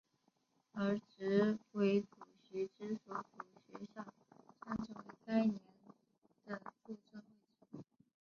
而执委主席之所属学校将成为该年的注册会址。